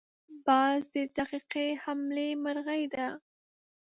باز د دقیقې حملې مرغه دی